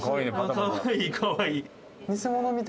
かわいいかわいい。